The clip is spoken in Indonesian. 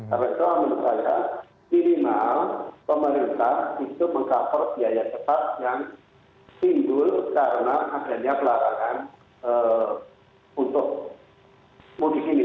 tapi soal menurut saya minimal pemerintah itu mengkapur biaya tetap yang tinggul karena akhirnya pelarangan untuk mudik ini